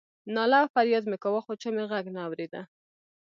ناله او فریاد مې کاوه خو چا مې غږ نه اورېده.